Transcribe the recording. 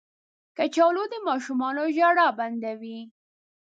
کچالو د ماشومانو ژړا بندوي